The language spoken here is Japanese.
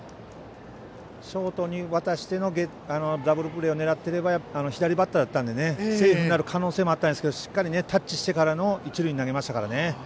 ショートに渡してのダブルプレーを狙って左バッターだったのでセーフになる可能性もあったんですがしっかりタッチしてからの一塁に投げましたからね。